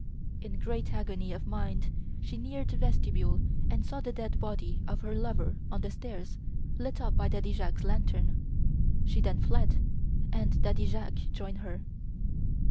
In great agony of mind she neared the vestibule and saw the dead body of her lover on the stairs lit up by Daddy Jacques' lantern. She then fled; and Daddy Jacques joined her.